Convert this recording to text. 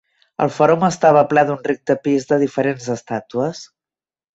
El fòrum estava ple d'un ric tapís de diferents estàtues.